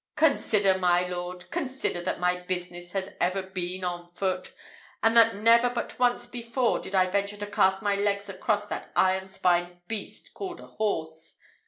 Consider, my lord, consider, that my business has ever been on foot; and that never but once before did I venture to cast my legs across that iron spined beast called a horse.